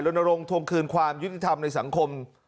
ลงทวงคืนความยุติธรรมในสังคม